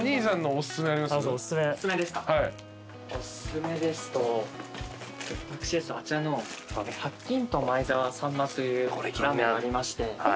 おすすめですとあちらの白金豚前沢秋刀魚というラーメンありまして。